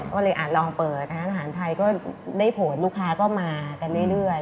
ก็เลยอาจลองเปิดร้านอาหารไทยก็ได้ผลลูกค้าก็มากันเรื่อย